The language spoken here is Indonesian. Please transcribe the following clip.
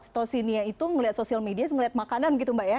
mengingatkan hormon oksidasi itu melihat sosial media melihat makanan gitu mbak ya